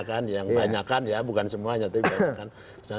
kan yang banyakan ya bukan semuanya